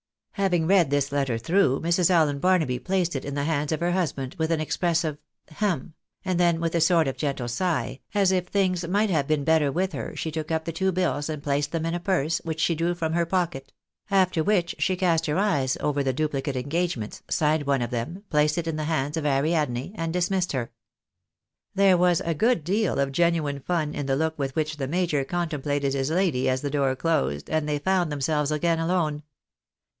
Having read this letter through, Mrs. Allen Barnaby placed it in the hands of her hixsband, with an expressive " hem ;" and then with a sort of gentle sigh, as if things might have been better with her, she took up the two bills and placed them in a purse, which she drew from her pocket ; after which she cast her eyes over the duplicate engagements, signed one of them, placed it in the hands of Ariadne, and dismissed her. There was a good deal of genuine fun in the look with which the major contemplated his lady as the door closed, and they found themselves again alone.